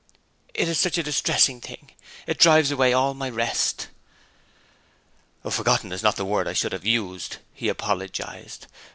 'It is such a distressing thing. It drives away all my rest!' 'Forgotten is not the word I should have used,' he apologized.